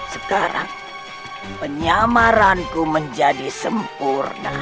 sekarang penyamaranku menjadi sempurna